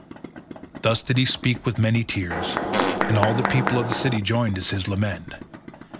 Thus did he speak with many tears, and all the people of the city joined in his lament.